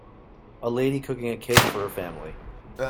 A lady cooking a cake for her family.